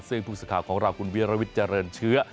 ซึ่งผู้สื่อข่าวของเราคุณวิรวิทย์เจริญเชื้อ